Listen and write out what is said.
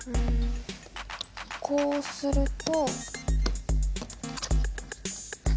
こうすると。